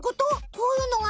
こういうのが？